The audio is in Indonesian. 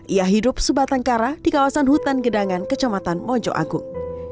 ia hidup sebatang kara di kawasan hutan gedangan kecamatan mojo agung